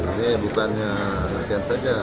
ini bukannya asean saja